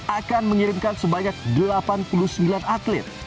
akan mengirimkan sebanyak delapan puluh sembilan atlet